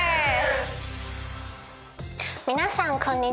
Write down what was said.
皆さんこんにちは。